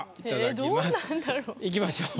頂きます。